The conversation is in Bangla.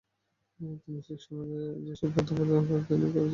তিনি শিখসমাজে সেবা প্রথা প্রচলন করতেও রেখেছেন ভূমিকা।